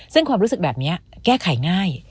ซึ่งความรู้สึกแบบนี้แก้ไขง่าย